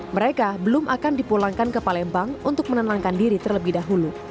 mereka belum akan dipulangkan ke palembang untuk menenangkan diri terlebih dahulu